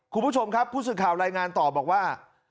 คุณผู้ชมครับผู้สื่อข่าวรายงานต่อบอกว่า